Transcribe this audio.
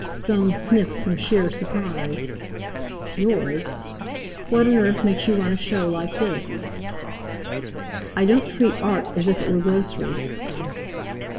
Soames sniffed from sheer surprise. "Yours? What on earth makes you run a show like this?" "I don't treat Art as if it were grocery."